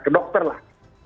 ke dokter lah